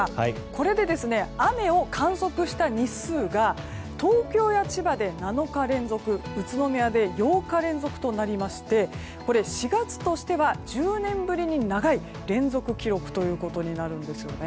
これで、雨を観測した日数が東京や千葉で７日連続宇都宮で８日連続となりまして４月としては１０年ぶりに長い連続記録になるんです。